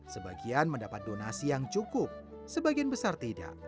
sebagian mendapat donasi yang cukup sebagian besar tidak